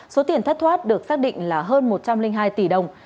số tiền thất thoát được xác định là hơn một trăm linh hai tỷ đồng